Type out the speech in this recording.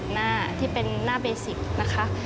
หน้าที่เป็นหน้าเบสิกนะคะ